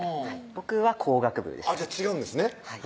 僕は工学部でしたじゃあ違うんですね